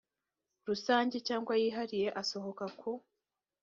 rusange cyangwa yihariye asohoka ku